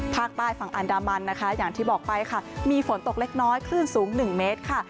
ภาคใต้ฝั่งอันดามันนะคะอย่างที่บอกไปค่ะมีฝนตกเล็กน้อยคลื่นสูง๑เมตรค่ะ